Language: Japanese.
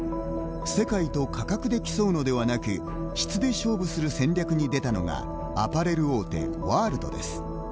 世界と価格で競うのではなく質で勝負する戦略に出たのがアパレル大手、ワールドです。